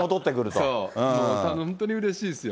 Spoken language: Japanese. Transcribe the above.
そう、本当にうれしいですよ。